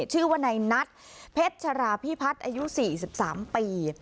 ชื่อว่าในนัทเพชราพี่พัฒน์อายุสี่สิบสามปี